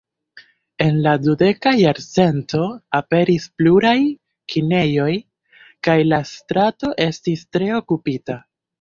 En la dudeka jarcento aperis pluraj kinejoj, kaj la strato estis tre okupita.